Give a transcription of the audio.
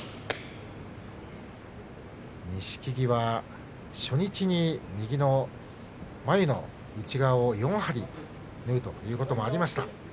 錦木は初日に右の眉の内側を４針縫うということもありました。